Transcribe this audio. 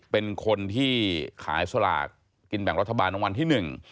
เป็นคนที่ขายสลากกินแบ่งรัฐบาลรางวัลที่หนึ่ง